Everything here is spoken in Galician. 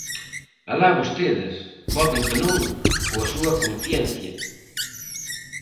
Alá vostedes, voten que non, coa súa conciencia.